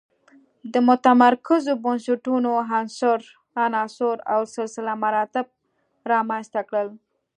د متمرکزو بنسټونو عناصر او سلسله مراتب رامنځته کړل.